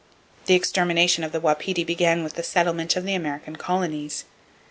The extermination of the wapiti began with the settlement of the American colonies.